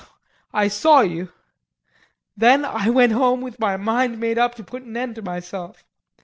I saw you. Then I went home with my mind made up to put an end to myself.